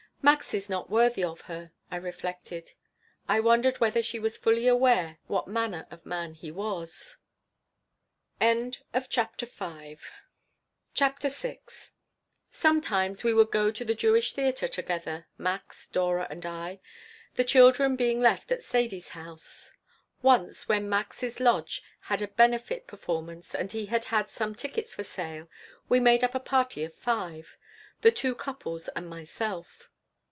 "Max is not worthy of her," I reflected. I wondered whether she was fully aware what manner of man he was CHAPTER VI SOMETIMES we would go to the Jewish theater together, Max, Dora, and I, the children being left at Sadie's house. Once, when Max's lodge had a benefit performance and he had had some tickets for sale, we made up a party of five: the two couples and myself.